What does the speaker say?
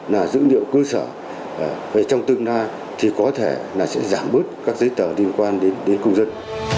là dữ liệu cơ sở về trong tương lai thì có thể sẽ giảm bớt các dữ liệu liên quan đến công dân